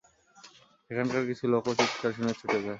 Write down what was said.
সেখানকার কিছু লোকও চিৎকার শুনে ছুটে যায়।